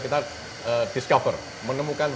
kita discover menemukan